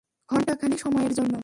ঘণ্টাখানিক সময়ের জন্য।